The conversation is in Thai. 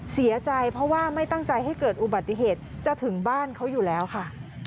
เสียใจเพราะว่าไม่ตั้งใจให้เกิดอุบัติเหตุจะถึงบ้านเขาอยู่แล้วค่ะ